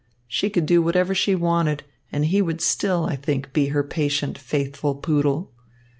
She could do whatever she wanted, and he would still, I think, be her patient, faithful poodle.